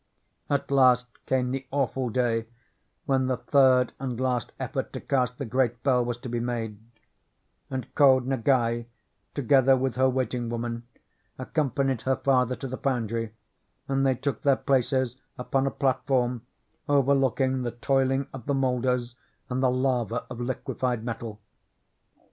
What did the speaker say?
At last came the awful day when the third and last effort to cast the great bell was to be made; and Ko 141 CHINA Ngai, together with her waiting woman, accompanied her father to the foundry, and they took their places upon a platform overlooking the toiling of the moulders and the lava of liquefied metal.